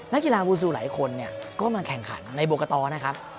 นักกีฬาบูซูหลายคนเนี่ยก็มาแข่งขันในโบกตนะครับ